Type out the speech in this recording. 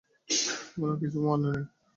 আমার কিছুই মনে নেই।